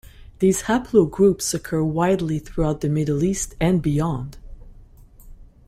These haplogroups occur widely throughout the Middle East and beyond.